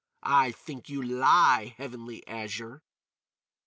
I think you lie, Heavenly Azure."